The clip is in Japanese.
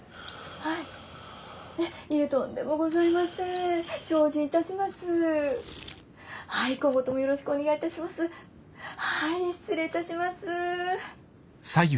はい失礼いたします。